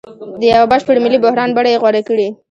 د یوه بشپړ ملي بحران بڼه یې غوره کړې.